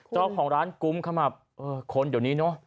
จอบของร้านกุ้มเข้ามาคนเดี๋ยวนี้เนอะ